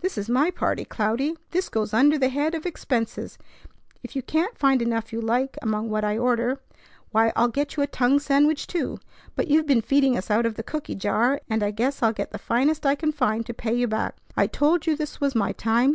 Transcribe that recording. "This is my party, Cloudy. This goes under the head of expenses. If you can't find enough you like among what I order, why, I'll get you a tongue sandwich, too; but you've been feeding us out of the cooky jar, and I guess I'll get the finest I can find to pay you back. I told you this was my time.